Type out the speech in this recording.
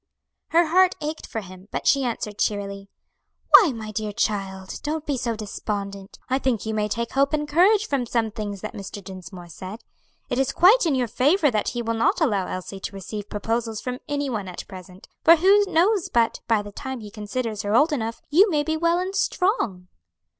Her heart ached for him, but she answered cheerily: "Why, my dear child, don't be so despondent; I think you may take hope and courage from some things that Mr. Dinsmore said. It is quite in your favor that he will not allow Elsie to receive proposals from any one at present, for who knows but, by the time he considers her old enough, you may be well and strong."